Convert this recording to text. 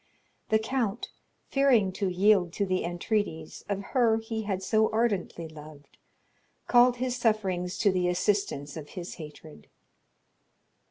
The count, fearing to yield to the entreaties of her he had so ardently loved, called his sufferings to the assistance of his hatred.